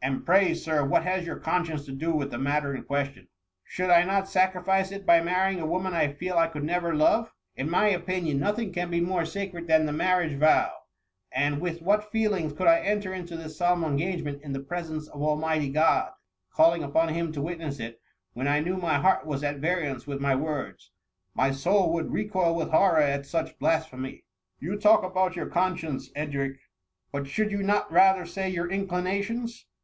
" And pray. Sir, what has your conscience to do with the matter in question ?"" Should I not sacrifice it by marrying a wo man I feel I could never love ? In my opinion, nothing can be more sacred than the marriage THE MUMMT. *8|l VOW ; and with what feelings could I enter into this solemn engagement in the presence of Almighty God, calling upon him to witness it, when I knew my heart was at variance with my words ? My soul would recoil with horror at such blasphemy."" You talk about your conscience, Edric, — but should you not rather say your inclinations